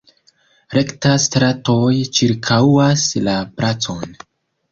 Rektaj stratoj ĉirkaŭas la placon.